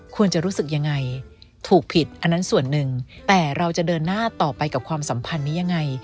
ควรจะรู้สึกยังไงถูกผิดอันนั้นส่วนหนึ่งแต่เราจะเดินหน้าต่อไปกับความสัมพันธ์นี้ยังไง